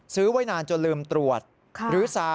ซื้อไว้นานจนลืมตรวจ